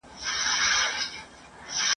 نارنج ګل مي پر زړه اوري انارګل مي را یادیږي !.